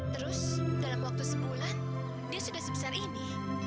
terus dalam waktu sebulan dia sudah sebesar ini